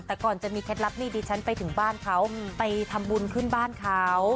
แต่ก่อนจะมีเคล็ดลับนี่ดิฉันไปถึงบ้านเขาไปทำบุญขึ้นบ้านเขา